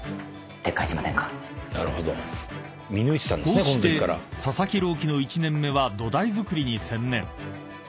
［こうして佐々木朗希の１年目は土台づくりに専念］